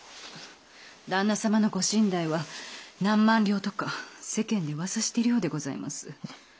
旦那様のご身代は何万両とか世間で噂しているようでございます。